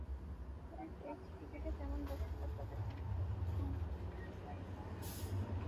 তবে, টেস্ট ক্রিকেটে তেমন দক্ষতা প্রদর্শনে সক্ষমতা দেখাতে পারেননি।